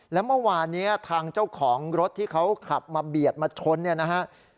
แล้วเมื่อวานนี้ทางเจ้าของรถที่เขาขับมาเบียดมาชนเนี่ยนะฮะ